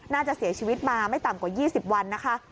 น่าจะเสียชีวิตมาไม่ต่ำกว่า๒๐วันนะคะ